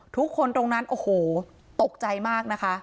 ทุกคนตรงนั้นโอ้โหตกใจมากนะคะ